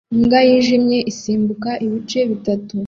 Imbwa yijimye isimbuka ibice bitatu